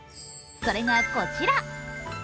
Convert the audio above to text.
それがこちら。